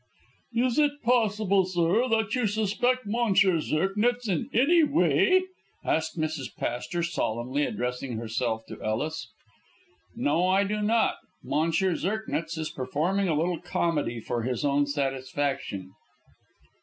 "Is it possible, sir, that you suspect Monsieur Zirknitz in any way?" asked Mrs. Pastor, solemnly, addressing herself to Ellis. "No, I do not. M. Zirknitz is performing a little comedy for his own satisfaction."